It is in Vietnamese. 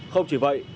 không chỉ vậy